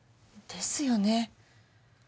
ですよね